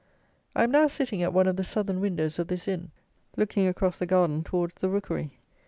I am now sitting at one of the southern windows of this inn, looking across the garden towards the rookery.